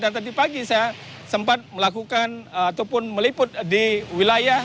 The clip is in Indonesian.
dan tadi pagi saya sempat melakukan ataupun meliput di wilayah